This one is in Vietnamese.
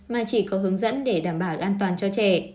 mà chỉ có hướng dẫn để đảm bảo an toàn cho trẻ